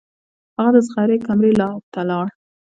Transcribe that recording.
هغه د زغرې کمرې ته لاړ.